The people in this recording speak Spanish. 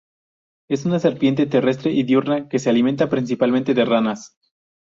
Es una serpiente terrestre y diurna que se alimenta principalmente de ranas.